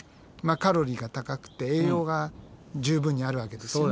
カロリーが高くて栄養が十分にあるわけですよね。